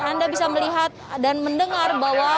anda bisa melihat dan mendengar bahwa